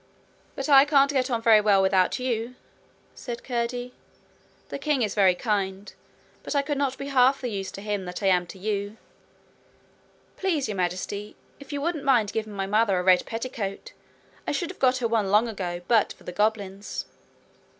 'But I can't get on very well without you,' said Curdie. 'The king is very kind, but I could not be half the use to him that I am to you. Please, Your Majesty, if you wouldn't mind giving my mother a red petticoat! I should have got her one long ago, but for the goblins.'